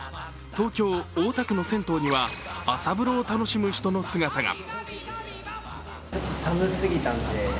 東京・大田区の銭湯には朝風呂を楽しむ人の姿が。